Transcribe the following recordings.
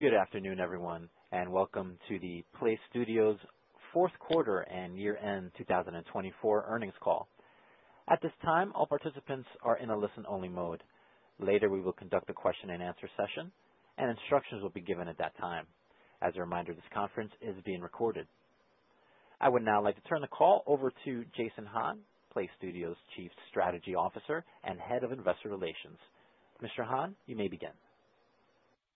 Good afternoon, everyone, and welcome to the PLAYSTUDIOS Fourth Quarter and Year-End 2024 Earnings Call. At this time, all participants are in a listen-only mode. Later, we will conduct a question-and-answer session, and instructions will be given at that time. As a reminder, this conference is being recorded. I would now like to turn the call over to Jason Hahn, PLAYSTUDIOS Chief Strategy Officer and Head of Investor Relations. Mr. Hahn, you may begin.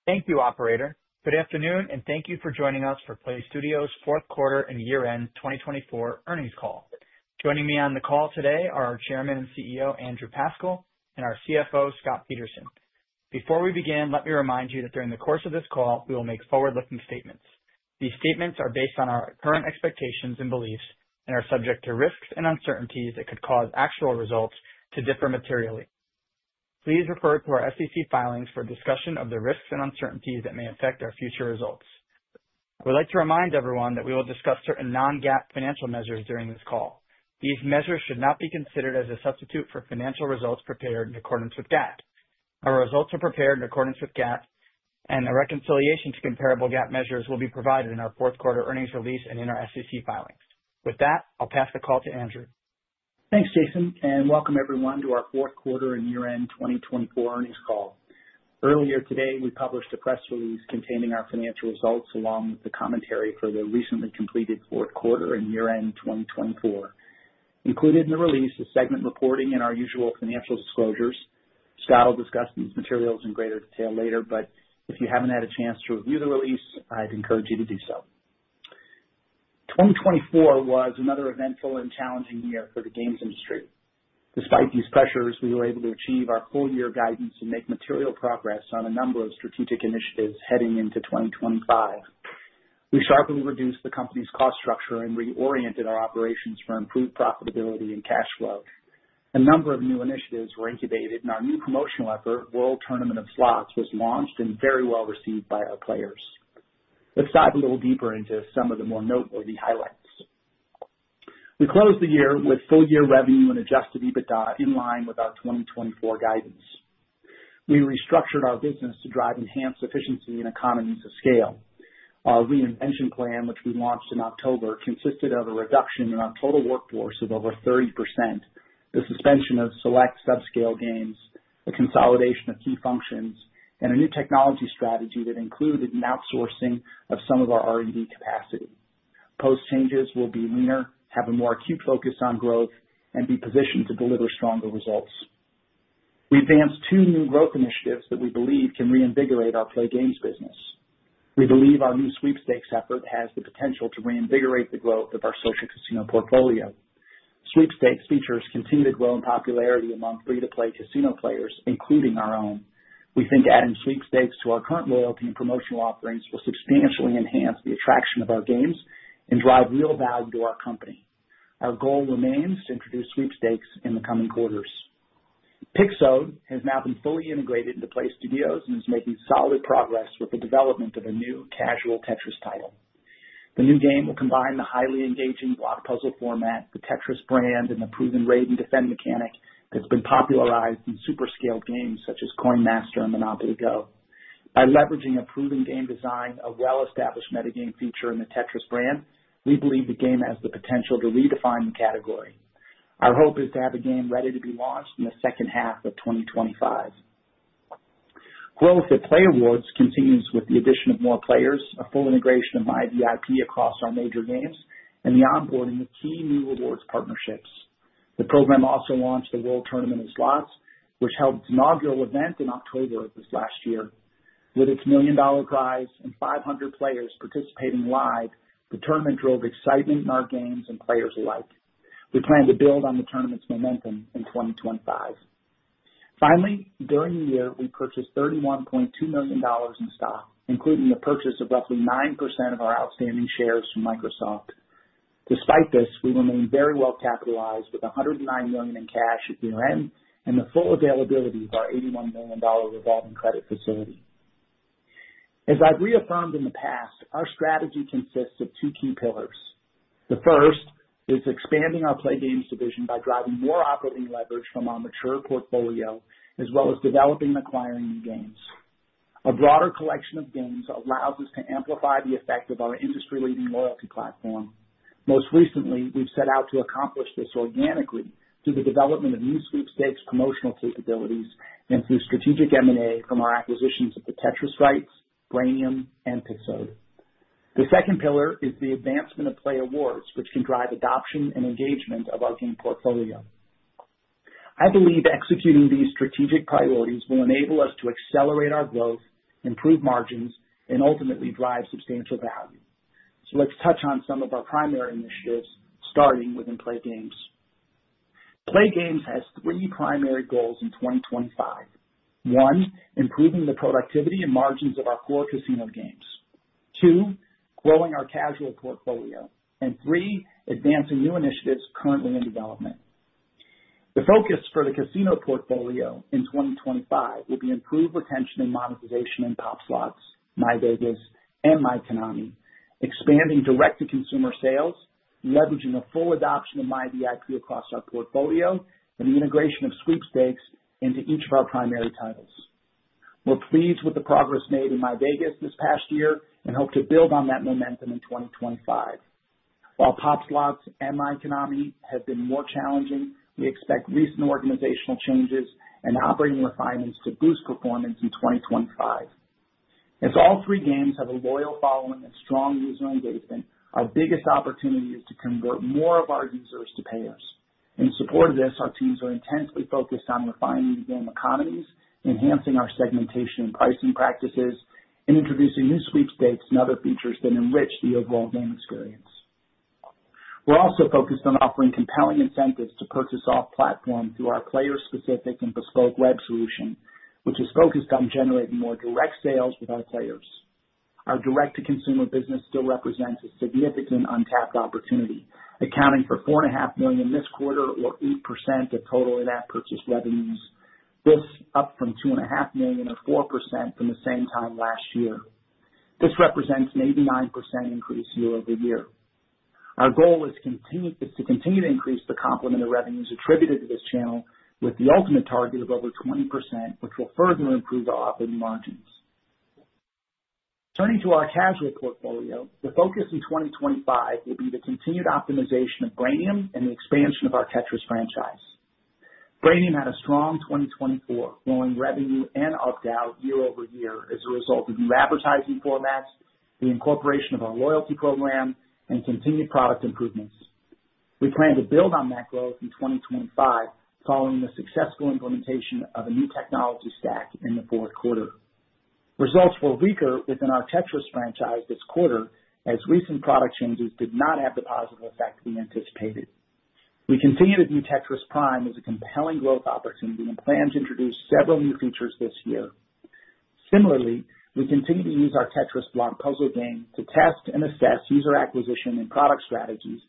Thank you, Operator. Good afternoon, and thank you for joining us for PLAYSTUDIOS fourth quarter and year-end 2024 earnings call. Joining me on the call today are our Chairman and CEO, Andrew Pascal, and our CFO, Scott Peterson. Before we begin, let me remind you that during the course of this call, we will make forward-looking statements. These statements are based on our current expectations and beliefs and are subject to risks and uncertainties that could cause actual results to differ materially. Please refer to our SEC filings for discussion of the risks and uncertainties that may affect our future results. I would like to remind everyone that we will discuss certain non-GAAP financial measures during this call. These measures should not be considered as a substitute for financial results prepared in accordance with GAAP. Our results are prepared in accordance with GAAP, and a reconciliation to comparable GAAP measures will be provided in our fourth quarter earnings release and in our SEC filings. With that, I'll pass the call to Andrew. Thanks, Jason, and welcome everyone to our fourth quarter and year-end 2024 earnings call. Earlier today, we published a press release containing our financial results along with the commentary for the recently completed fourth quarter and year-end 2024. Included in the release is segment reporting and our usual financial disclosures. Scott will discuss these materials in greater detail later, but if you haven't had a chance to review the release, I'd encourage you to do so. 2024 was another eventful and challenging year for the games industry. Despite these pressures, we were able to achieve our full-year guidance and make material progress on a number of strategic initiatives heading into 2025. We sharply reduced the company's cost structure and reoriented our operations for improved profitability and cash flow. A number of new initiatives were incubated, and our new promotional effort, World Tournament of Slots, was launched and very well received by our players. Let's dive a little deeper into some of the more noteworthy highlights. We closed the year with full-year revenue and adjusted EBITDA in line with our 2024 guidance. We restructured our business to drive enhanced efficiency and economies of scale. Our reinvention plan, which we launched in October, consisted of a reduction in our total workforce of over 30%, the suspension of select subscale games, a consolidation of key functions, and a new technology strategy that included an outsourcing of some of our R&D capacity. Post-changes, we'll be leaner, have a more acute focus on growth, and be positioned to deliver stronger results. We advanced two new growth initiatives that we believe can reinvigorate our playGAMES business. We believe our new Sweepstakes effort has the potential to reinvigorate the growth of our social casino portfolio. Sweepstakes features continue to grow in popularity among free-to-play casino players, including our own. We think adding Sweepstakes to our current loyalty and promotional offerings will substantially enhance the attraction of our games and drive real value to our company. Our goal remains to introduce Sweepstakes in the coming quarters. Pixode has now been fully integrated into PLAYSTUDIOS and is making solid progress with the development of a new casual Tetris title. The new game will combine the highly engaging block puzzle format, the Tetris brand, and the proven raid-and-defend mechanic that's been popularized in super-scaled games such as Coin Master and MONOPOLY GO! By leveraging a proven game design, a well-established meta-game feature, and the Tetris brand, we believe the game has the potential to redefine the category. Our hope is to have a game ready to be launched in the second half of 2025. Growth at playAWARDS continues with the addition of more players, a full integration of myVIP across our major games, and the onboarding of key new rewards partnerships. The program also launched the World Tournament of Slots, which held its inaugural event in October of this last year. With its million-dollar prize and 500 players participating live, the tournament drove excitement in our games and players alike. We plan to build on the tournament's momentum in 2025. Finally, during the year, we purchased $31.2 million in stock, including the purchase of roughly 9% of our outstanding shares from Microsoft. Despite this, we remain very well capitalized with $109 million in cash at year-end and the full availability of our $81 million revolving credit facility. As I've reaffirmed in the past, our strategy consists of two key pillars. The first is expanding our playGAMES division by driving more operating leverage from our mature portfolio as well as developing and acquiring new games. A broader collection of games allows us to amplify the effect of our industry-leading loyalty platform. Most recently, we've set out to accomplish this organically through the development of new Sweepstakes promotional capabilities and through strategic M&A from our acquisitions of the Tetris rights, Brainium, and Pixode. The second pillar is the advancement of playAWARDS, which can drive adoption and engagement of our game portfolio. I believe executing these strategic priorities will enable us to accelerate our growth, improve margins, and ultimately drive substantial value. Let's touch on some of our primary initiatives, starting within playGAMES. playGAMES has three primary goals in 2025. One, improving the productivity and margins of our core casino games. Two, growing our casual portfolio. Three, advancing new initiatives currently in development. The focus for the casino portfolio in 2025 will be improved retention and monetization in POP! Slots, myVEGAS, and myKONAMI, expanding direct-to-consumer sales, leveraging a full adoption of myVIP across our portfolio, and the integration of Sweepstakes into each of our primary titles. We're pleased with the progress made in myVEGAS this past year and hope to build on that momentum in 2025. While POP! Slots and myKONAMI have been more challenging, we expect recent organizational changes and operating refinements to boost performance in 2025. As all three games have a loyal following and strong user engagement, our biggest opportunity is to convert more of our users to payers. In support of this, our teams are intensely focused on refining the game economies, enhancing our segmentation and pricing practices, and introducing new Sweepstakes and other features that enrich the overall game experience. We're also focused on offering compelling incentives to purchase off-platform through our player-specific and bespoke web solution, which is focused on generating more direct sales with our players. Our direct-to-consumer business still represents a significant untapped opportunity, accounting for $4.5 million this quarter, or 8% of total in-app purchase revenues, this up from $2.5 million, or 4%, from the same time last year. This represents an 89% increase year-over-year. Our goal is to continue to increase the complementary revenues attributed to this channel with the ultimate target of over 20%, which will further improve our operating margins. Turning to our casual portfolio, the focus in 2025 will be the continued optimization of Brainium and the expansion of our Tetris franchise. Brainium had a strong 2024, growing revenue and ARPDAU year-over-year as a result of new advertising formats, the incorporation of our loyalty program, and continued product improvements. We plan to build on that growth in 2025 following the successful implementation of a new technology stack in the fourth quarter. Results were weaker within our Tetris franchise this quarter as recent product changes did not have the positive effect we anticipated. We continue to view Tetris Prime as a compelling growth opportunity and plan to introduce several new features this year. Similarly, we continue to use our Tetris Block Puzzle game to test and assess user acquisition and product strategies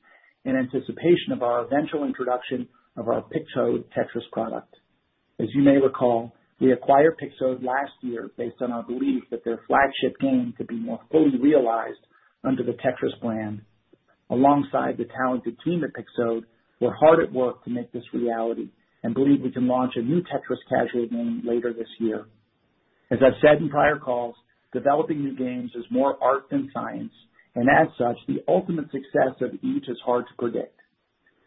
in anticipation of our eventual introduction of our Pixode Tetris product. As you may recall, we acquired Pixode last year based on our belief that their flagship game could be more fully realized under the Tetris brand. Alongside the talented team at Pixode, we're hard at work to make this reality and believe we can launch a new Tetris casual game later this year. As I've said in prior calls, developing new games is more art than science, and as such, the ultimate success of each is hard to predict.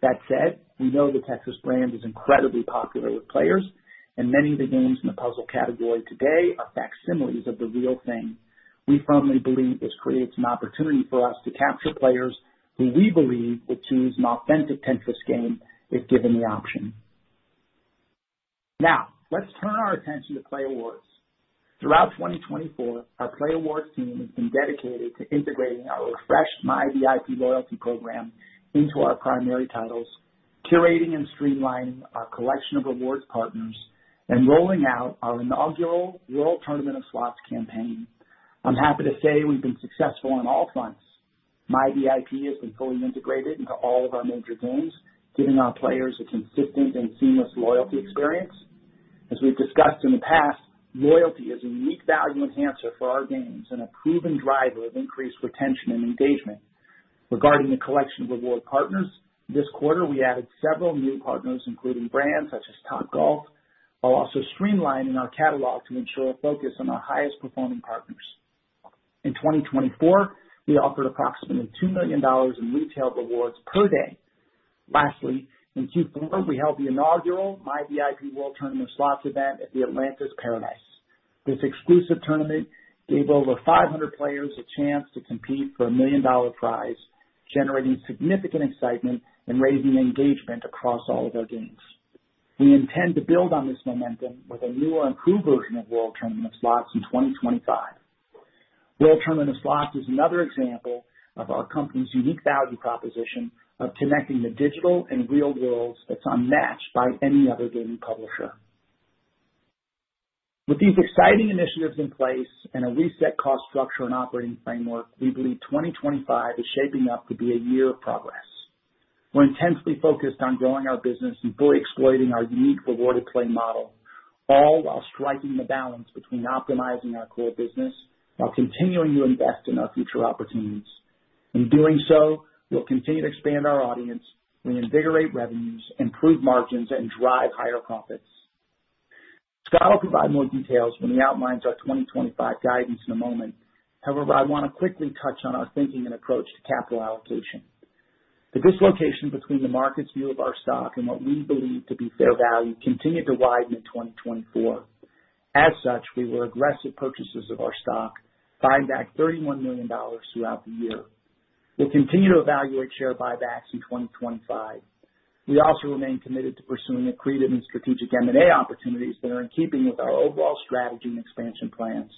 That said, we know the Tetris brand is incredibly popular with players, and many of the games in the puzzle category today are facsimiles of the real thing. We firmly believe this creates an opportunity for us to capture players who we believe will choose an authentic Tetris game if given the option. Now, let's turn our attention to playAWARDS. Throughout 2024, our playAWARDS team has been dedicated to integrating our refreshed myVIP loyalty program into our primary titles, curating and streamlining our collection of rewards partners, and rolling out our inaugural World Tournament of Slots campaign. I'm happy to say we've been successful on all fronts. myVIP has been fully integrated into all of our major games, giving our players a consistent and seamless loyalty experience. As we've discussed in the past, loyalty is a unique value enhancer for our games and a proven driver of increased retention and engagement. Regarding the collection of reward partners, this quarter we added several new partners, including brands such as Topgolf, while also streamlining our catalog to ensure a focus on our highest-performing partners. In 2024, we offered approximately $2 million in retail rewards per day. Lastly, in Q4, we held the inaugural myVIP World Tournament of Slots event at the Atlantis Paradise. This exclusive tournament gave over 500 players a chance to compete for a million-dollar prize, generating significant excitement and raising engagement across all of our games. We intend to build on this momentum with a newer and improved version of World Tournament of Slots in 2025. World Tournament of Slots is another example of our company's unique value proposition of connecting the digital and real worlds that's unmatched by any other gaming publisher. With these exciting initiatives in place and a reset cost structure and operating framework, we believe 2025 is shaping up to be a year of progress. We're intensely focused on growing our business and fully exploiting our unique rewarded play model, all while striking the balance between optimizing our core business while continuing to invest in our future opportunities. In doing so, we'll continue to expand our audience, reinvigorate revenues, improve margins, and drive higher profits. Scott will provide more details when he outlines our 2025 guidance in a moment. However, I want to quickly touch on our thinking and approach to capital allocation. The dislocation between the market's view of our stock and what we believe to be fair value continued to widen in 2024. As such, we were aggressive purchasers of our stock, buying back $31 million throughout the year. We'll continue to evaluate share buybacks in 2025. We also remain committed to pursuing accretive and strategic M&A opportunities that are in keeping with our overall strategy and expansion plans.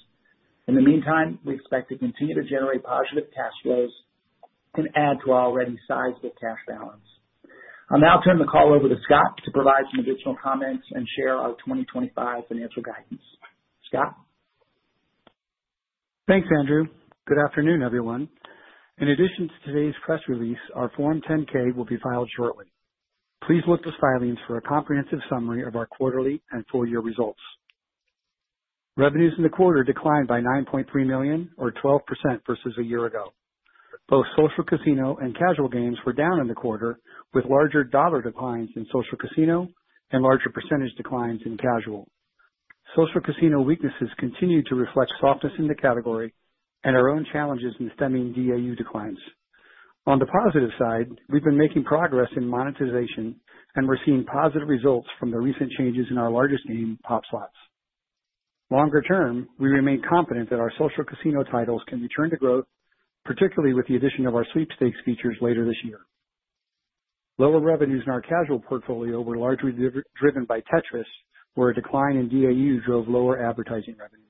In the meantime, we expect to continue to generate positive cash flows and add to our already sizable cash balance. I'll now turn the call over to Scott to provide some additional comments and share our 2025 financial guidance. Scott. Thanks, Andrew. Good afternoon, everyone. In addition to today's press release, our Form 10-K will be filed shortly. Please look to filings for a comprehensive summary of our quarterly and full-year results. Revenues in the quarter declined by $9.3 million, or 12% versus a year ago. Both social casino and casual games were down in the quarter, with larger dollar declines in social casino and larger percentage declines in casual. Social casino weaknesses continue to reflect softness in the category and our own challenges in stemming DAU declines. On the positive side, we've been making progress in monetization, and we're seeing positive results from the recent changes in our largest game, POP! Slots. Longer term, we remain confident that our social casino titles can return to growth, particularly with the addition of our Sweepstakes features later this year. Lower revenues in our casual portfolio were largely driven by Tetris, where a decline in DAU drove lower advertising revenues.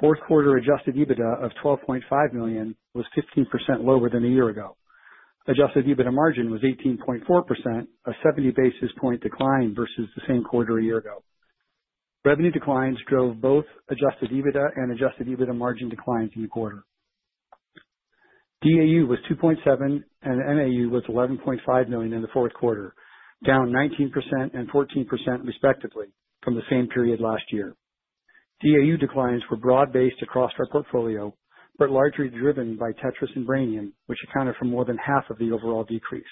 Fourth quarter adjusted EBITDA of $12.5 million was 15% lower than a year ago. Adjusted EBITDA margin was 18.4%, a 70 basis point decline versus the same quarter a year ago. Revenue declines drove both Adjusted EBITDA and Adjusted EBITDA margin declines in the quarter. DAU was 2.7 million and MAU was 11.5 million in the fourth quarter, down 19% and 14% respectively from the same period last year. DAU declines were broad-based across our portfolio, but largely driven by Tetris and Brainium, which accounted for more than half of the overall decrease.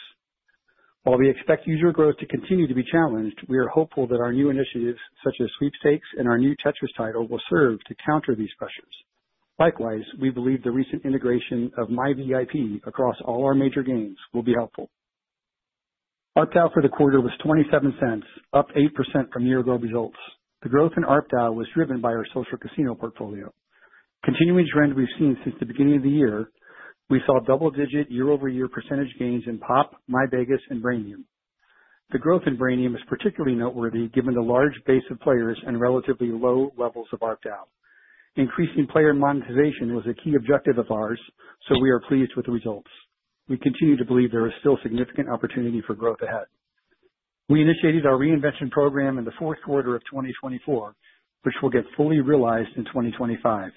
While we expect user growth to continue to be challenged, we are hopeful that our new initiatives, such as Sweepstakes and our new Tetris title, will serve to counter these pressures. Likewise, we believe the recent integration of myVIP across all our major games will be helpful. ARPDAU for the quarter was $0.27, up 8% from year-ago results. The growth in ARPDAU was driven by our social casino portfolio. Continuing trend we've seen since the beginning of the year, we saw double-digit year-over-year percentage gains in POP!, myVEGAS, and Brainium. The growth in Brainium is particularly noteworthy given the large base of players and relatively low levels of ARPDAU. Increasing player monetization was a key objective of ours, so we are pleased with the results. We continue to believe there is still significant opportunity for growth ahead. We initiated our reinvention program in the fourth quarter of 2024, which will get fully realized in 2025.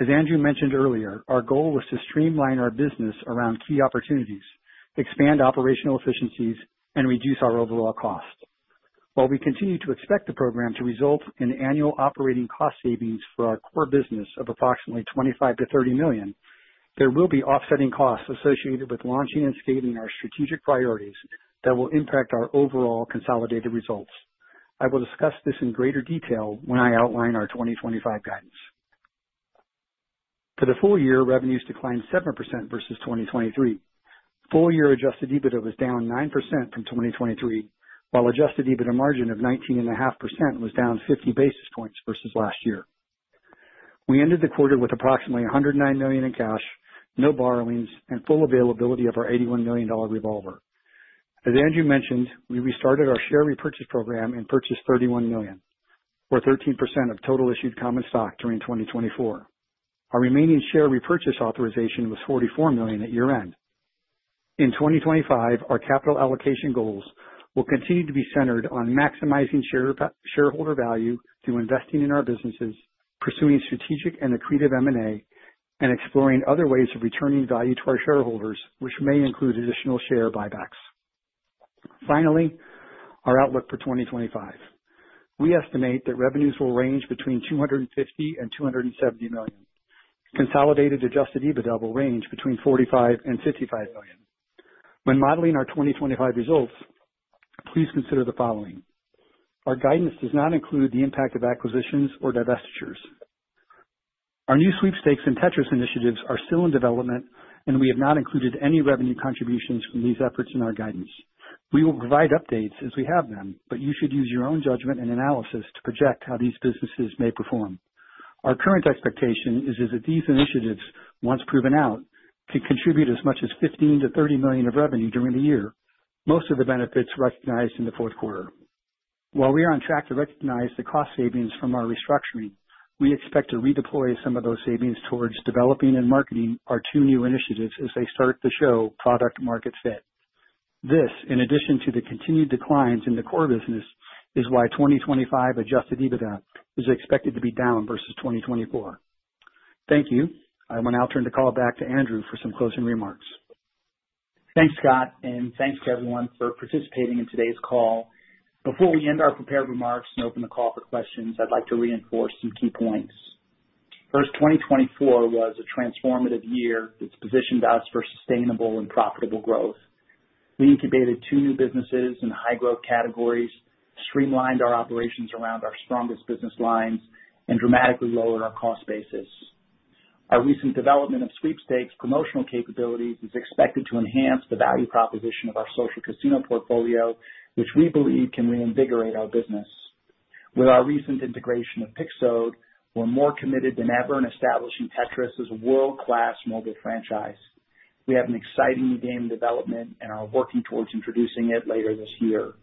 As Andrew mentioned earlier, our goal was to streamline our business around key opportunities, expand operational efficiencies, and reduce our overall cost. While we continue to expect the program to result in annual operating cost savings for our core business of approximately $25 million-$30 million, there will be offsetting costs associated with launching and scaling our strategic priorities that will impact our overall consolidated results. I will discuss this in greater detail when I outline our 2025 guidance. For the full year, revenues declined 7% versus 2023. Full-year Adjusted EBITDA was down 9% from 2023, while Adjusted EBITDA margin of 19.5% was down 50 basis points versus last year. We ended the quarter with approximately $109 million in cash, no borrowings, and full availability of our $81 million revolver. As Andrew mentioned, we restarted our share repurchase program and purchased $31 million, or 13% of total issued common stock during 2024. Our remaining share repurchase authorization was $44 million at year-end. In 2025, our capital allocation goals will continue to be centered on maximizing shareholder value through investing in our businesses, pursuing strategic and accretive M&A, and exploring other ways of returning value to our shareholders, which may include additional share buybacks. Finally, our outlook for 2025. We estimate that revenues will range between $250 million-$270 million. Consolidated adjusted EBITDA will range between $45 million-$55 million. When modeling our 2025 results, please consider the following. Our guidance does not include the impact of acquisitions or divestitures. Our new Sweepstakes and Tetris initiatives are still in development, and we have not included any revenue contributions from these efforts in our guidance. We will provide updates as we have them, but you should use your own judgment and analysis to project how these businesses may perform. Our current expectation is that these initiatives, once proven out, could contribute as much as $15 million-$30 million of revenue during the year, most of the benefits recognized in the fourth quarter. While we are on track to recognize the cost savings from our restructuring, we expect to redeploy some of those savings towards developing and marketing our two new initiatives as they start to show product-market fit. This, in addition to the continued declines in the core business, is why 2025 Adjusted EBITDA is expected to be down versus 2024. Thank you. I will now turn the call back to Andrew for some closing remarks. Thanks, Scott, and thanks to everyone for participating in today's call. Before we end our prepared remarks and open the call for questions, I'd like to reinforce some key points. First, 2024 was a transformative year that's positioned us for sustainable and profitable growth. We incubated two new businesses in high-growth categories, streamlined our operations around our strongest business lines, and dramatically lowered our cost basis. Our recent development of Sweepstakes promotional capabilities is expected to enhance the value proposition of our social casino portfolio, which we believe can reinvigorate our business. With our recent integration of Pixode, we're more committed than ever in establishing Tetris as a world-class mobile franchise. We have an exciting game in development and are working towards introducing it later this year.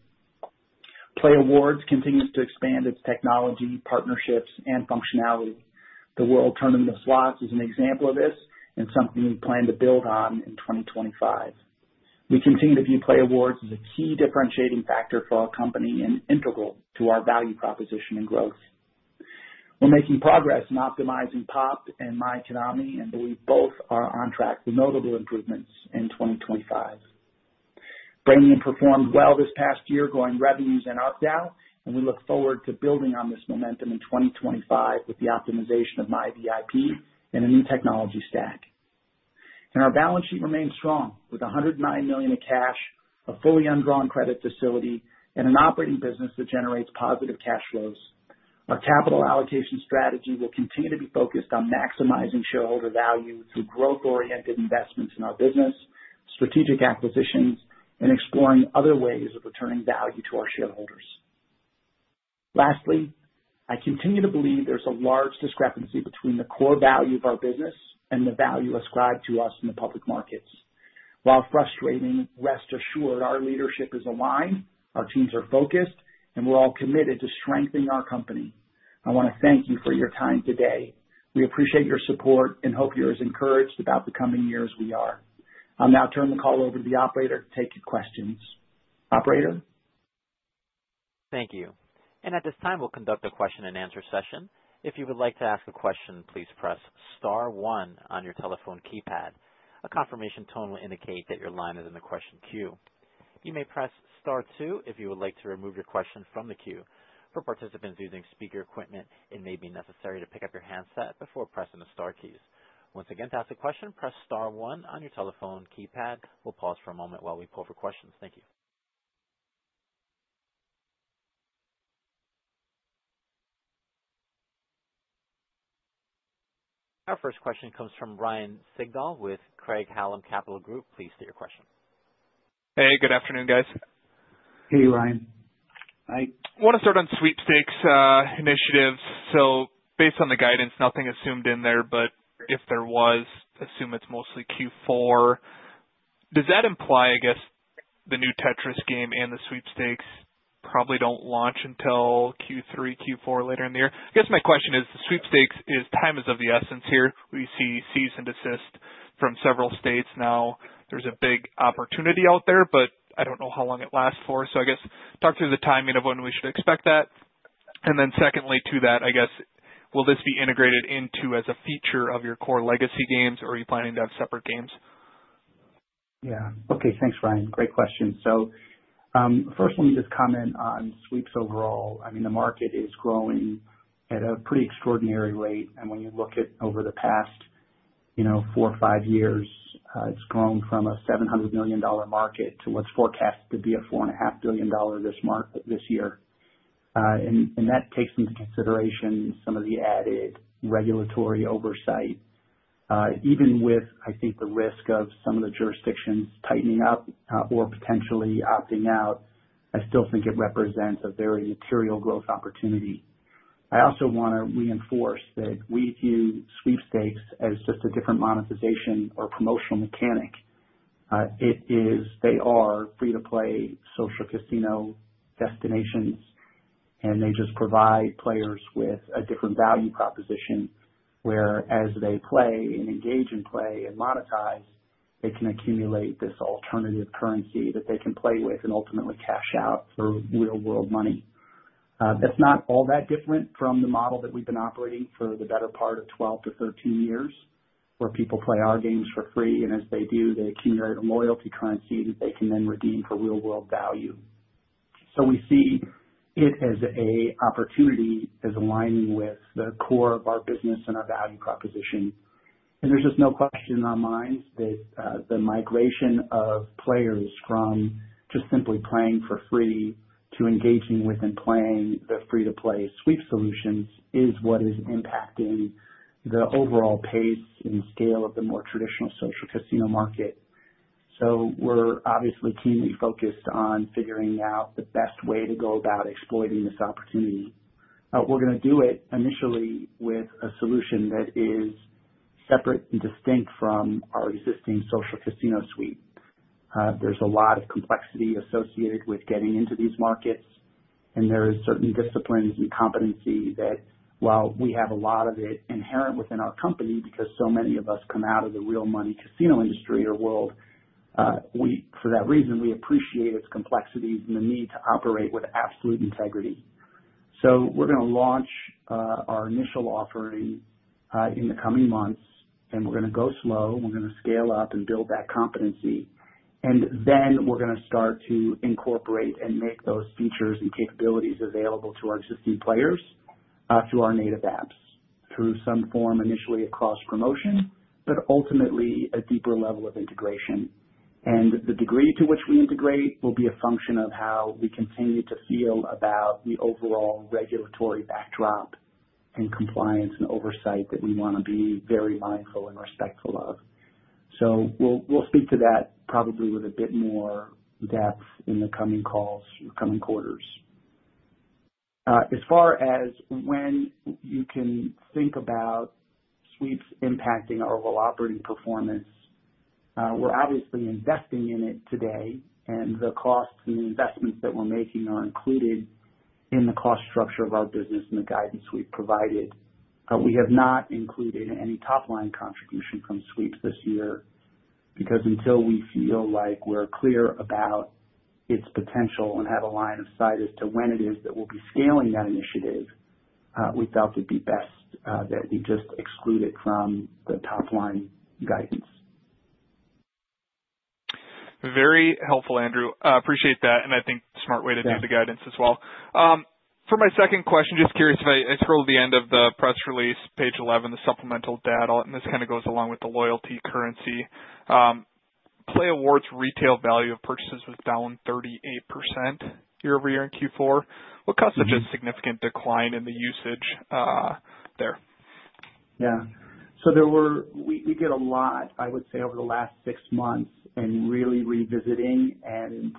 playAWARDS continues to expand its technology, partnerships, and functionality. The World Tournament of Slots is an example of this and something we plan to build on in 2025. We continue to view playAWARDS as a key differentiating factor for our company and integral to our value proposition and growth. We're making progress in optimizing POP! and myKONAMI, and we both are on track with notable improvements in 2025. Brainium performed well this past year growing revenues and ARPDAU, and we look forward to building on this momentum in 2025 with the optimization of myVIP and a new technology stack. In our balance sheet, we remain strong with $109 million of cash, a fully undrawn credit facility, and an operating business that generates positive cash flows. Our capital allocation strategy will continue to be focused on maximizing shareholder value through growth-oriented investments in our business, strategic acquisitions, and exploring other ways of returning value to our shareholders. Lastly, I continue to believe there's a large discrepancy between the core value of our business and the value ascribed to us in the public markets. While frustrating, rest assured our leadership is aligned, our teams are focused, and we're all committed to strengthening our company. I want to thank you for your time today. We appreciate your support and hope you're as encouraged about the coming year as we are. I'll now turn the call over to the operator to take your questions. Operator? Thank you. At this time, we'll conduct a question-and-answer session. If you would like to ask a question, please press star one on your telephone keypad. A confirmation tone will indicate that your line is in the question queue. You may press star two if you would like to remove your question from the queue. For participants using speaker equipment, it may be necessary to pick up your handset before pressing the star keys. Once again, to ask a question, press star one on your telephone keypad. We'll pause for a moment while we pull over questions. Thank you. Our first question comes from Ryan Sigdahl with Craig-Hallum Capital Group. Please state your question. Hey, good afternoon, guys. Hey, Ryan. Hi. I want to start on Sweepstakes initiatives. Based on the guidance, nothing assumed in there, but if there was, assume it's mostly Q4. Does that imply, I guess, the new Tetris game and the Sweepstakes probably don't launch until Q3, Q4 later in the year? I guess my question is, the Sweepstakes, time is of the essence here. We see cease and desist from several states now. There's a big opportunity out there, but I don't know how long it lasts for. I guess talk through the timing of when we should expect that. Secondly to that, I guess, will this be integrated into as a feature of your core legacy games, or are you planning to have separate games? Yeah. Okay. Thanks, Ryan. Great question. First, let me just comment on Sweeps overall. I mean, the market is growing at a pretty extraordinary rate. When you look at over the past four or five years, it has grown from a $700 million market to what's forecast to be a $4.5 billion market this year. That takes into consideration some of the added regulatory oversight. Even with, I think, the risk of some of the jurisdictions tightening up or potentially opting out, I still think it represents a very material growth opportunity. I also want to reinforce that we view Sweepstakes as just a different monetization or promotional mechanic. They are free-to-play social casino destinations, and they just provide players with a different value proposition where, as they play and engage in play and monetize, they can accumulate this alternative currency that they can play with and ultimately cash out for real-world money. It's not all that different from the model that we've been operating for the better part of 12 to 13 years, where people play our games for free, and as they do, they accumulate a loyalty currency that they can then redeem for real-world value. We see it as an opportunity that's aligning with the core of our business and our value proposition. There is just no question in our minds that the migration of players from just simply playing for free to engaging with and playing the free-to-play Sweep solutions is what is impacting the overall pace and scale of the more traditional social casino market. We are obviously keenly focused on figuring out the best way to go about exploiting this opportunity. We are going to do it initially with a solution that is separate and distinct from our existing social casino suite. There is a lot of complexity associated with getting into these markets, and there are certain disciplines and competencies that, while we have a lot of it inherent within our company because so many of us come out of the real-money casino industry or world, for that reason, we appreciate its complexities and the need to operate with absolute integrity. We're going to launch our initial offering in the coming months, and we're going to go slow. We're going to scale up and build that competency. Then we're going to start to incorporate and make those features and capabilities available to our existing players through our native apps, through some form initially across promotion, but ultimately a deeper level of integration. The degree to which we integrate will be a function of how we continue to feel about the overall regulatory backdrop and compliance and oversight that we want to be very mindful and respectful of. We'll speak to that probably with a bit more depth in the coming calls or coming quarters. As far as when you can think about Sweeps impacting our overall operating performance, we're obviously investing in it today, and the costs and the investments that we're making are included in the cost structure of our business and the guidance we've provided. We have not included any top-line contribution from Sweeps this year because until we feel like we're clear about its potential and have a line of sight as to when it is that we'll be scaling that initiative, we felt it'd be best that we just exclude it from the top-line guidance. Very helpful, Andrew. Appreciate that. I think smart way to do the guidance as well. For my second question, just curious if I scroll to the end of the press release, page 11, the supplemental data, and this kind of goes along with the loyalty currency. playAWARDS' retail value of purchases was down 38% year-over-year in Q4. What caused such a significant decline in the usage there? Yeah. We did a lot, I would say, over the last six months in really revisiting and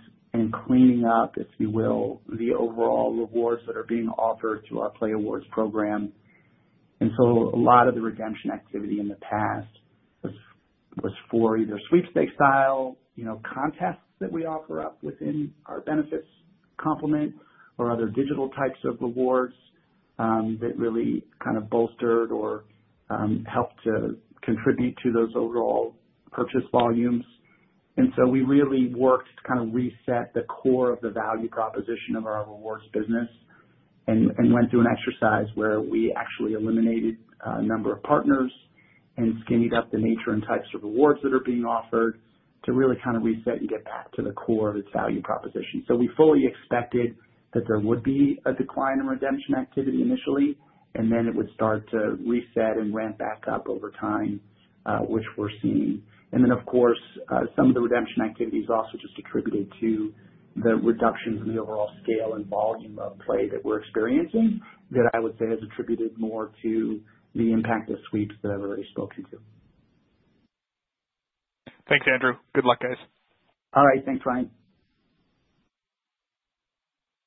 cleaning up, if you will, the overall rewards that are being offered through our playAWARDS program. A lot of the redemption activity in the past was for either Sweepstakes-style contests that we offer up within our benefits complement or other digital types of rewards that really kind of bolstered or helped to contribute to those overall purchase volumes. We really worked to kind of reset the core of the value proposition of our rewards business and went through an exercise where we actually eliminated a number of partners and skimmed up the nature and types of rewards that are being offered to really kind of reset and get back to the core of its value proposition. We fully expected that there would be a decline in redemption activity initially, and then it would start to reset and ramp back up over time, which we're seeing. Of course, some of the redemption activity is also just attributed to the reductions in the overall scale and volume of play that we're experiencing that I would say has attributed more to the impact of Sweeps that I've already spoken to. Thanks, Andrew. Good luck, guys. All right. Thanks, Ryan.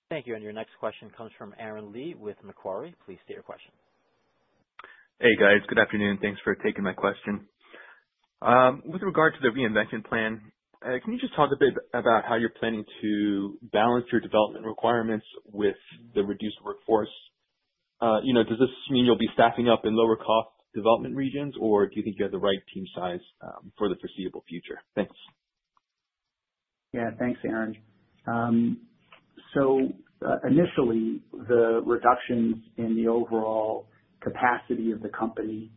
Thank you. Your next question comes from Aaron Lee with Macquarie. Please state your question. Hey, guys. Good afternoon. Thanks for taking my question. With regard to the reinvention plan, can you just talk a bit about how you're planning to balance your development requirements with the reduced workforce? Does this mean you'll be staffing up in lower-cost development regions, or do you think you have the right team size for the foreseeable future? Thanks. Yeah. Thanks, Aaron. Initially, the reductions in the overall capacity of the company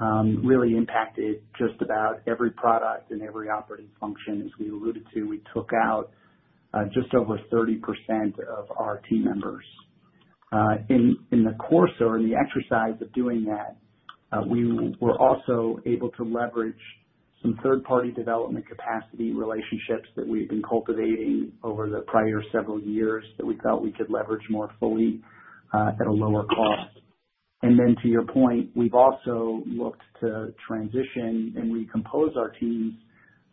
really impacted just about every product and every operating function. As we alluded to, we took out just over 30% of our team members. In the course or in the exercise of doing that, we were also able to leverage some third-party development capacity relationships that we've been cultivating over the prior several years that we felt we could leverage more fully at a lower cost. To your point, we've also looked to transition and recompose our teams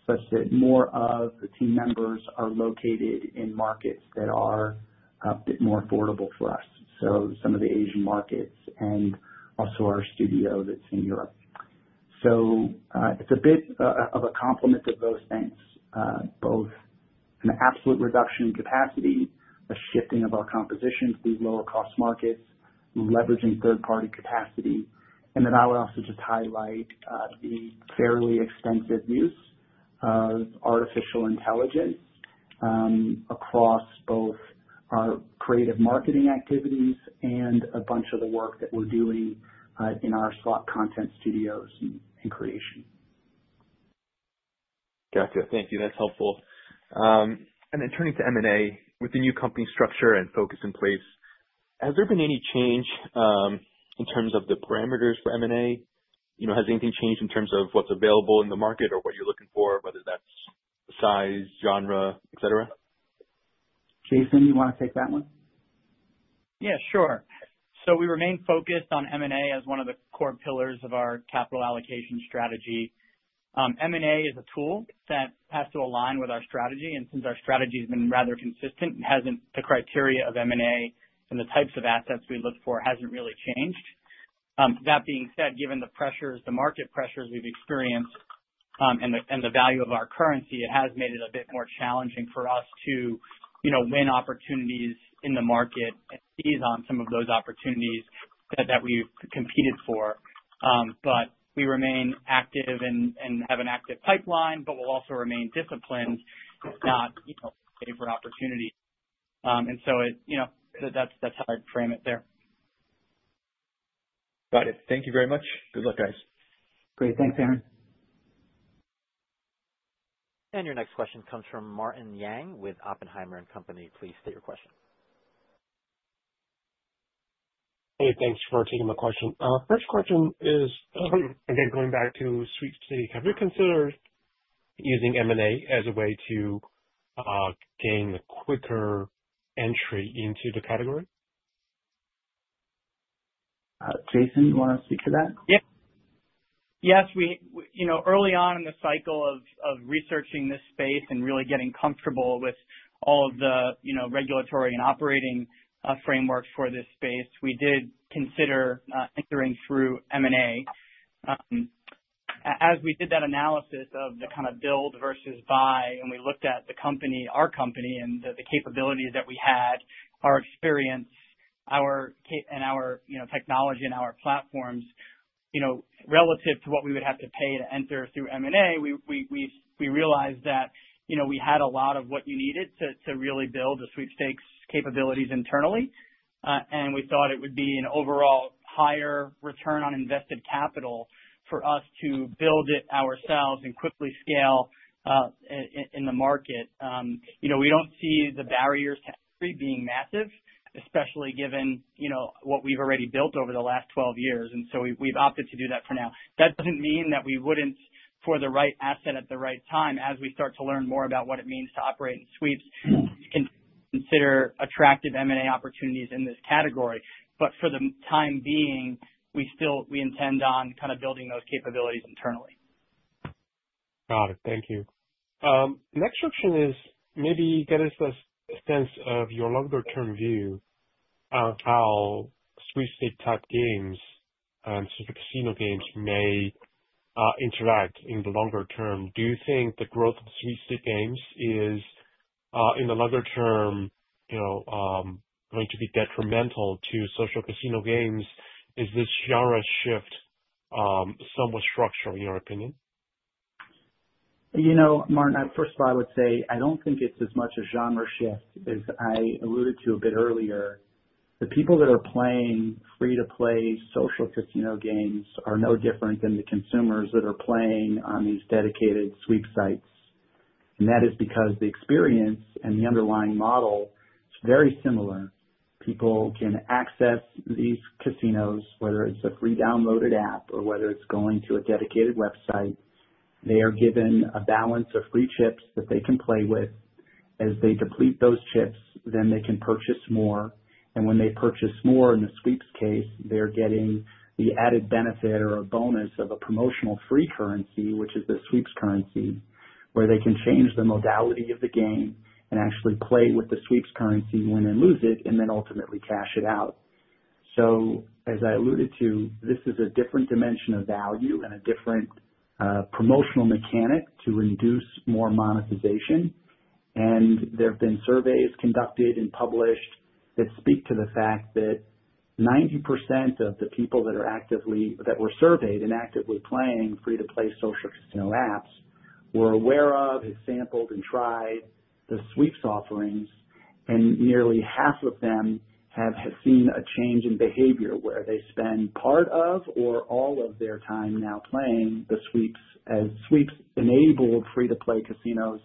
such that more of the team members are located in markets that are a bit more affordable for us, some of the Asian markets and also our studio that's in Europe. It's a bit of a complement of those things, both an absolute reduction in capacity, a shifting of our composition to these lower-cost markets, leveraging third-party capacity. I would also just highlight the fairly extensive use of artificial intelligence across both our creative marketing activities and a bunch of the work that we're doing in our slot content studios and creation. Gotcha. Thank you. That's helpful. Turning to M&A, with the new company structure and focus in place, has there been any change in terms of the parameters for M&A? Has anything changed in terms of what's available in the market or what you're looking for, whether that's size, genre, etc.? Jason, you want to take that one? Yeah, sure. We remain focused on M&A as one of the core pillars of our capital allocation strategy. M&A is a tool that has to align with our strategy. Since our strategy has been rather consistent and the criteria of M&A and the types of assets we look for hasn't really changed. That being said, given the market pressures we've experienced and the value of our currency, it has made it a bit more challenging for us to win opportunities in the market and seize on some of those opportunities that we've competed for. We remain active and have an active pipeline, but we'll also remain disciplined to not wait for opportunity. That's how I'd frame it there. Got it. Thank you very much. Good luck, guys. Great. Thanks, Aaron. Your next question comes from Martin Yang with Oppenheimer & Co. Please state your question. Hey, thanks for taking my question. First question is, again, going back to Sweepstakes, have you considered using M&A as a way to gain a quicker entry into the category? Jason, you want to speak to that? Yep. Yes. Early on in the cycle of researching this space and really getting comfortable with all of the regulatory and operating frameworks for this space, we did consider entering through M&A. As we did that analysis of the kind of build versus buy, and we looked at our company and the capabilities that we had, our experience, and our technology and our platforms relative to what we would have to pay to enter through M&A, we realized that we had a lot of what you needed to really build the Sweepstakes capabilities internally. We thought it would be an overall higher return on invested capital for us to build it ourselves and quickly scale in the market. We do not see the barriers to entry being massive, especially given what we have already built over the last 12 years. We have opted to do that for now. That doesn't mean that we wouldn't, for the right asset at the right time, as we start to learn more about what it means to operate in Sweeps, consider attractive M&A opportunities in this category. For the time being, we intend on kind of building those capabilities internally. Got it. Thank you. Next question is maybe get us a sense of your longer-term view on how Sweepstake-type games and social casino games may interact in the longer term. Do you think the growth of Sweepstake games is, in the longer term, going to be detrimental to social casino games? Is this genre shift somewhat structural, in your opinion? Martin, first of all, I would say I don't think it's as much a genre shift as I alluded to a bit earlier. The people that are playing free-to-play social casino games are no different than the consumers that are playing on these dedicated Sweep sites. That is because the experience and the underlying model is very similar. People can access these casinos, whether it's a free downloaded app or whether it's going to a dedicated website. They are given a balance of free chips that they can play with. As they deplete those chips, they can purchase more. When they purchase more, in the Sweeps case, they're getting the added benefit or a bonus of a promotional free currency, which is the Sweeps currency, where they can change the modality of the game and actually play with the Sweeps currency when they lose it and then ultimately cash it out. As I alluded to, this is a different dimension of value and a different promotional mechanic to induce more monetization. There have been surveys conducted and published that speak to the fact that 90% of the people that were surveyed and actively playing free-to-play social casino apps were aware of, have sampled, and tried the Sweeps offerings. Nearly half of them have seen a change in behavior where they spend part of or all of their time now playing the Sweeps enabled free-to-play casinos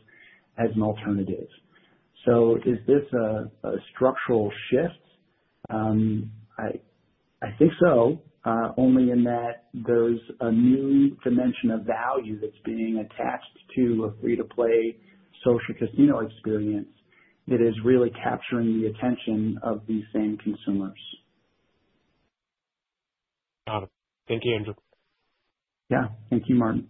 as an alternative. Is this a structural shift? I think so, only in that there's a new dimension of value that's being attached to a free-to-play social casino experience that is really capturing the attention of these same consumers. Got it. Thank you, Andrew. Yeah. Thank you, Martin.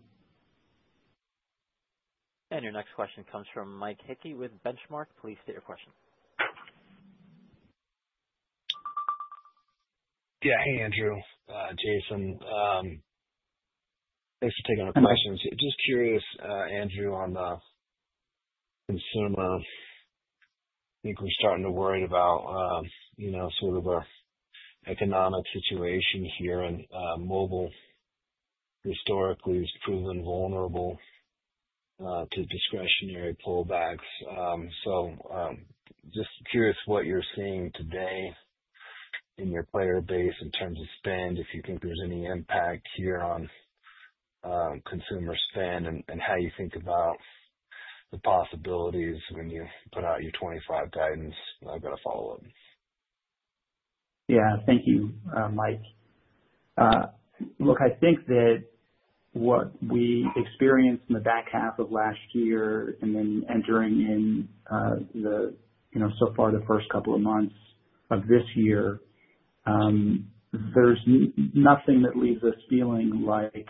Your next question comes from Mike Hickey with Benchmark. Please state your question. Yeah. Hey, Andrew. Jason. Thanks for taking my questions. Just curious, Andrew, on the consumer. I think we're starting to worry about sort of our economic situation here. And mobile historically has proven vulnerable to discretionary pullbacks. Just curious what you're seeing today in your player base in terms of spend, if you think there's any impact here on consumer spend and how you think about the possibilities when you put out your 2025 guidance. I've got a follow-up. Yeah. Thank you, Mike. Look, I think that what we experienced in the back half of last year and then entering in so far the first couple of months of this year, there's nothing that leaves us feeling like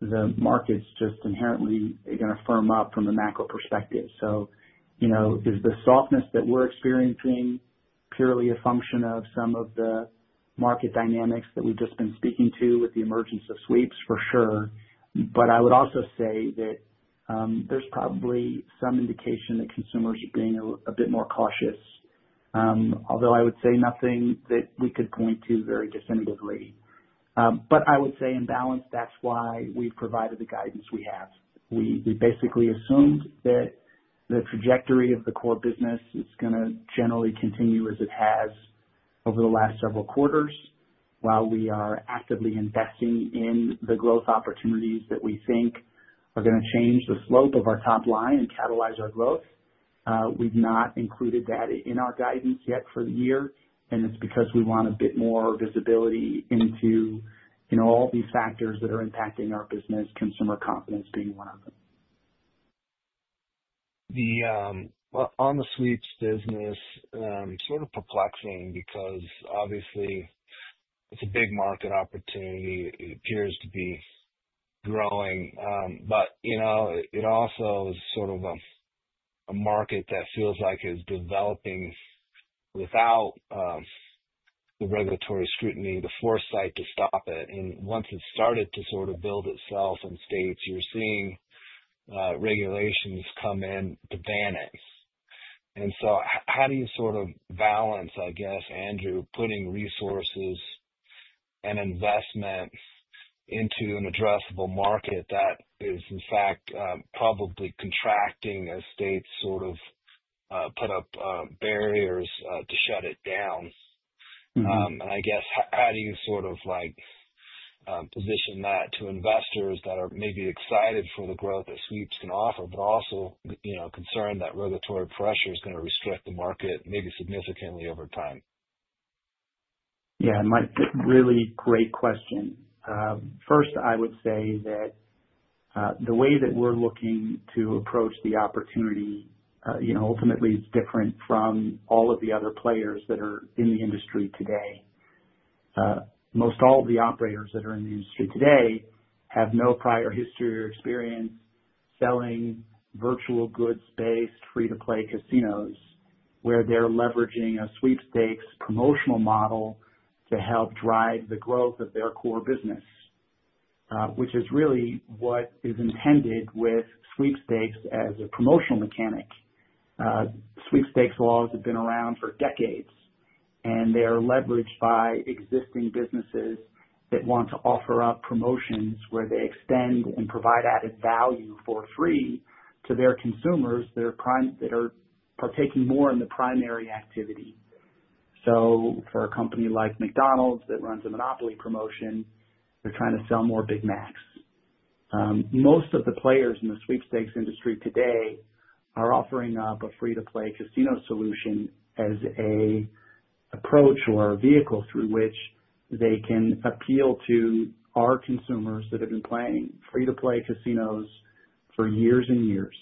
the market's just inherently going to firm up from a macro perspective. Is the softness that we're experiencing purely a function of some of the market dynamics that we've just been speaking to with the emergence of Sweeps? For sure. I would also say that there's probably some indication that consumers are being a bit more cautious, although I would say nothing that we could point to very definitively. I would say in balance, that's why we've provided the guidance we have. We basically assumed that the trajectory of the core business is going to generally continue as it has over the last several quarters while we are actively investing in the growth opportunities that we think are going to change the slope of our top line and catalyze our growth. We've not included that in our guidance yet for the year. It is because we want a bit more visibility into all these factors that are impacting our business, consumer confidence being one of them. On the Sweeps business, sort of perplexing because obviously it is a big market opportunity. It appears to be growing. It also is sort of a market that feels like it is developing without the regulatory scrutiny, the foresight to stop it. Once it has started to sort of build itself in states, you are seeing regulations come in to ban it. How do you sort of balance, I guess, Andrew, putting resources and investment into an addressable market that is, in fact, probably contracting as states sort of put up barriers to shut it down? I guess how do you sort of position that to investors that are maybe excited for the growth that Sweeps can offer, but also concerned that regulatory pressure is going to restrict the market maybe significantly over time? Yeah. Mike, really great question. First, I would say that the way that we're looking to approach the opportunity ultimately is different from all of the other players that are in the industry today. Most all of the operators that are in the industry today have no prior history or experience selling virtual goods-based free-to-play casinos where they're leveraging a Sweepstakes promotional model to help drive the growth of their core business, which is really what is intended with Sweepstakes as a promotional mechanic. Sweepstakes laws have been around for decades, and they are leveraged by existing businesses that want to offer up promotions where they extend and provide added value for free to their consumers that are partaking more in the primary activity. For a company like McDonald's that runs a Monopoly promotion, they are trying to sell more Big Macs. Most of the players in the Sweepstakes industry today are offering up a free-to-play casino solution as an approach or a vehicle through which they can appeal to our consumers that have been playing free-to-play casinos for years and years.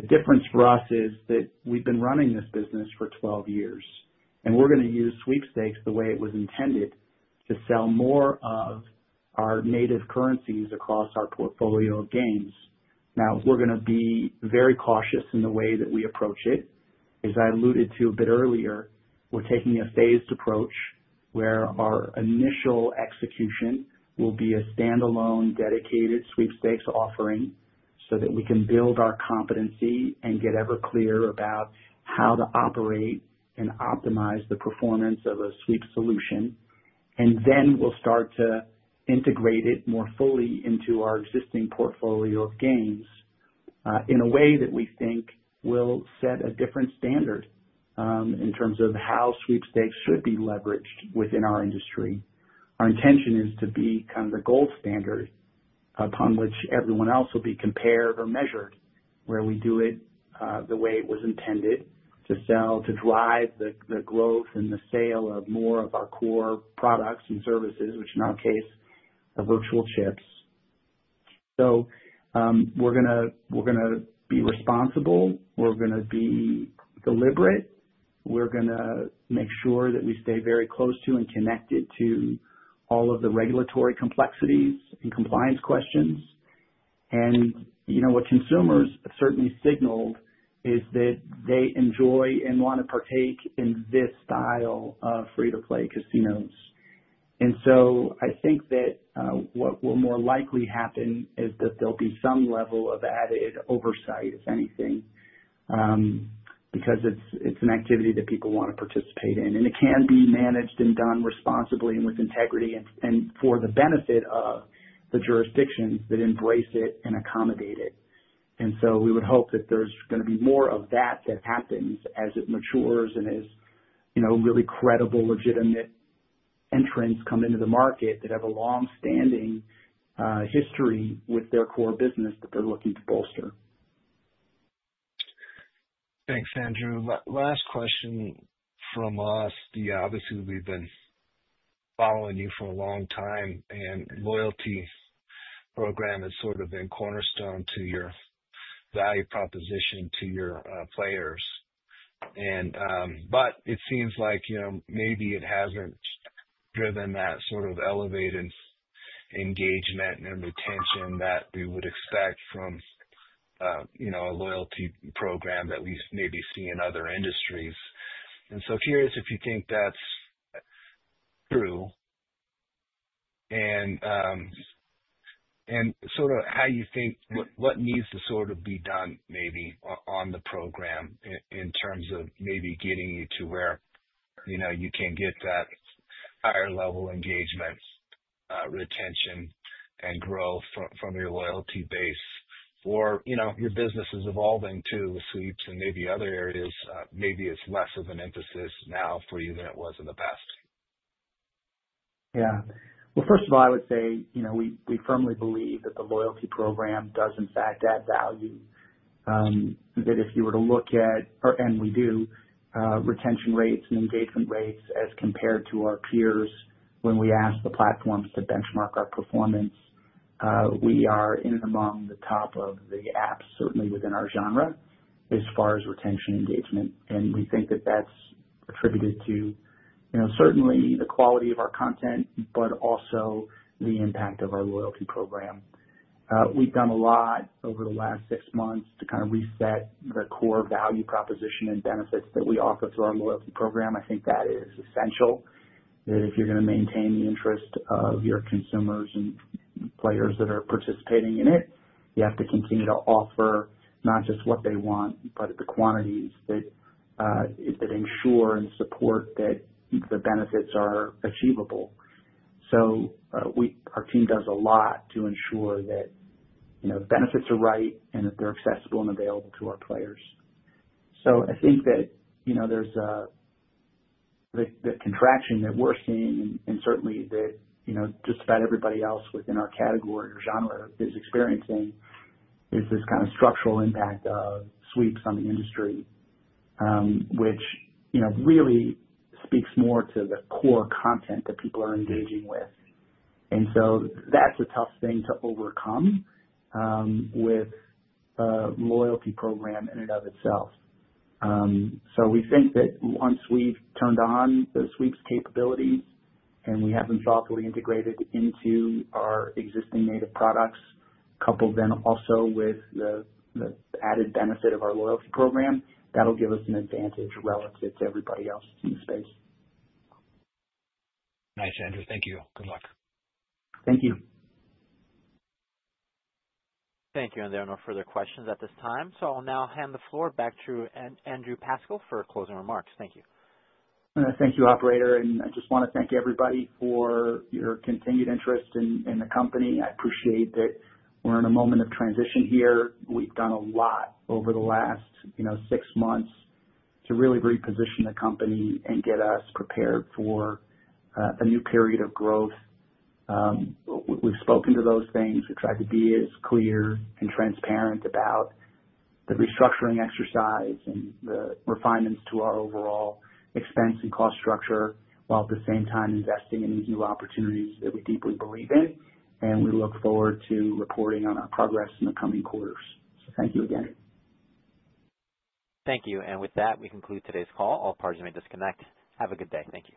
The difference for us is that we have been running this business for 12 years, and we are going to use Sweepstakes the way it was intended to sell more of our native currencies across our portfolio of games. We are going to be very cautious in the way that we approach it. As I alluded to a bit earlier, we're taking a phased approach where our initial execution will be a standalone dedicated Sweepstakes offering so that we can build our competency and get ever clearer about how to operate and optimize the performance of a Sweep solution. We will start to integrate it more fully into our existing portfolio of games in a way that we think will set a different standard in terms of how Sweepstakes should be leveraged within our industry. Our intention is to become the gold standard upon which everyone else will be compared or measured, where we do it the way it was intended to sell to drive the growth and the sale of more of our core products and services, which in our case are virtual chips. We are going to be responsible. We are going to be deliberate. We're going to make sure that we stay very close to and connected to all of the regulatory complexities and compliance questions. What consumers have certainly signaled is that they enjoy and want to partake in this style of free-to-play casinos. I think that what will more likely happen is that there'll be some level of added oversight, if anything, because it's an activity that people want to participate in. It can be managed and done responsibly and with integrity and for the benefit of the jurisdictions that embrace it and accommodate it. We would hope that there's going to be more of that that happens as it matures and as really credible, legitimate entrants come into the market that have a long-standing history with their core business that they're looking to bolster. Thanks, Andrew. Last question from us. Yeah. Obviously, we've been following you for a long time, and loyalty program has sort of been cornerstone to your value proposition to your players. It seems like maybe it hasn't driven that sort of elevated engagement and retention that we would expect from a loyalty program that we maybe see in other industries. I am curious if you think that's true. Sort of how you think what needs to sort of be done maybe on the program in terms of maybe getting you to where you can get that higher-level engagement, retention, and growth from your loyalty base. Your business is evolving too with Sweeps and maybe other areas. Maybe it's less of an emphasis now for you than it was in the past. Yeah. First of all, I would say we firmly believe that the loyalty program does, in fact, add value. If you were to look at—and we do—retention rates and engagement rates as compared to our peers, when we ask the platforms to benchmark our performance, we are in and among the top of the apps, certainly within our genre, as far as retention engagement. We think that is attributed to certainly the quality of our content, but also the impact of our loyalty program. We've done a lot over the last six months to kind of reset the core value proposition and benefits that we offer through our loyalty program. I think that is essential. If you're going to maintain the interest of your consumers and players that are participating in it, you have to continue to offer not just what they want, but the quantities that ensure and support that the benefits are achievable. Our team does a lot to ensure that the benefits are right and that they're accessible and available to our players. I think that the contraction that we're seeing and certainly that just about everybody else within our category or genre is experiencing is this kind of structural impact of Sweeps on the industry, which really speaks more to the core content that people are engaging with. That's a tough thing to overcome with a loyalty program in and of itself. We think that once we've turned on the Sweeps capabilities and we have them thoughtfully integrated into our existing native products, coupled then also with the added benefit of our loyalty program, that'll give us an advantage relative to everybody else in the space. Nice, Andrew. Thank you. Good luck. Thank you. Thank you. There are no further questions at this time. I'll now hand the floor back to Andrew Pascal for closing remarks. Thank you. Thank you, Operator. I just want to thank everybody for your continued interest in the company. I appreciate that we're in a moment of transition here. We've done a lot over the last six months to really reposition the company and get us prepared for a new period of growth. We've spoken to those things. We've tried to be as clear and transparent about the restructuring exercise and the refinements to our overall expense and cost structure while at the same time investing in these new opportunities that we deeply believe in. We look forward to reporting on our progress in the coming quarters. Thank you again. Thank you. With that, we conclude today's call. All parties may disconnect. Have a good day. Thank you.